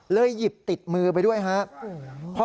หยิบติดมือไปด้วยครับ